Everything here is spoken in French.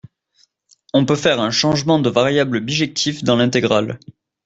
on peut faire un changement de variables bijectif dans l'intégrale